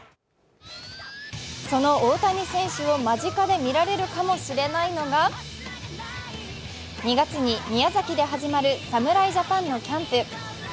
その大谷選手を間近で見られるかもしれないのが、２月に宮崎で始まる侍ジャパンのキャンプ。